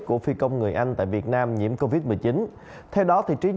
của phi công người anh tại việt nam nhiễm covid một mươi chín